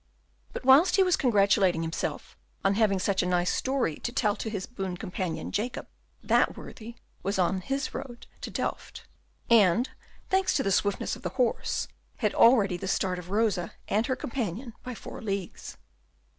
But whilst he was congratulating himself on having such a nice story to tell to his boon companion, Jacob, that worthy was on his road to Delft; and, thanks to the swiftness of the horse, had already the start of Rosa and her companion by four leagues.